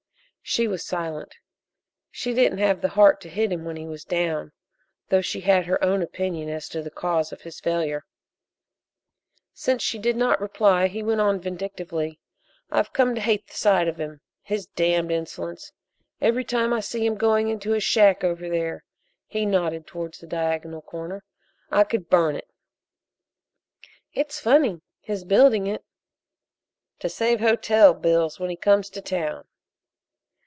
She was silent; she didn't have the heart to hit him when he was down, though she had her own opinion as to the cause of his failure. Since she did not reply, he went on vindictively: "I've come to hate the sight of him his damned insolence. Every time I see him going into his shack over there," he nodded towards the diagonal corner, "I could burn it." "It's funny his building it." "To save hotel bills when he comes to town.